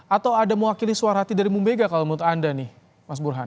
atau ada mewakili suara hati dari bumega kalau menurut anda nih mas burhan